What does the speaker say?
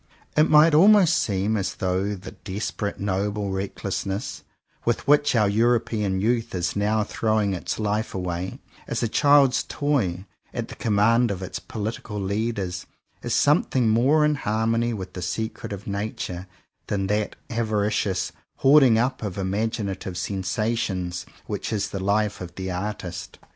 It might almost seem as though the desperate, noble reck lessness, with which our European youth is now throwing its life away, as a child's toy, at the command of its political leaders, is something more in harmony with the secret of Nature, than that avaricious hoarding up of imaginative sensations which is the life of the artist.